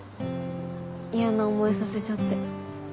嫌な思いさせちゃって。